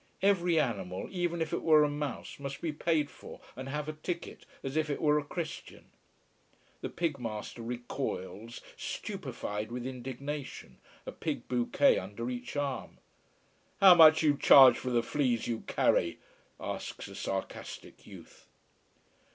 Every animal, even if it were a mouse, must be paid for and have a ticket as if it were a Christian. The pig master recoils stupified with indignation, a pig bouquet under each arm. "How much do you charge for the fleas you carry?" asks a sarcastic youth.